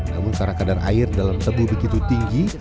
namun karena kadar air dalam tebu begitu tinggi